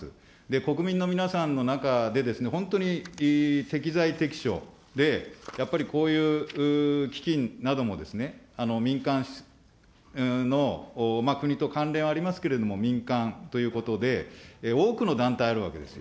国民の皆さんの中で、本当に適材適所で、やっぱりこういう基金などもですね、民間の国と関連ありますけれども、民間ということで、多くの団体あるわけですよ。